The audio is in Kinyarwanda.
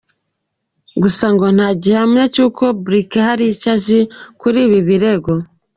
Gusa ngo nta gihamya cy’uko Burkle hari icyo azi kuri ibi birego.